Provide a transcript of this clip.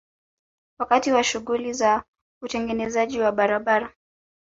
Wakati wa shughuli za utengenezaji wa barabara